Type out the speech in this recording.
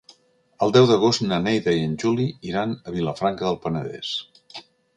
El deu d'agost na Neida i en Juli iran a Vilafranca del Penedès.